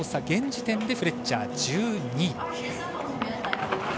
現時点でフレッチャー１２位。